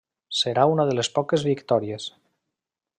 Serà una de les poques victòries.